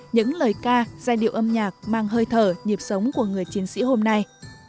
những lời ca giai điệu âm nhạc mang hơi thở nhịp sống của người chiến sĩ hôm nay